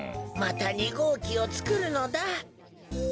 また２ごうきをつくるのだ。